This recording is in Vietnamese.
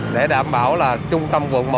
để đảm bảo là trung tâm quận một